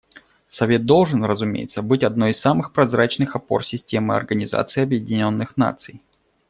Совет должен, разумеется, быть одной из самых прозрачных опор системы Организации Объединенных Наций.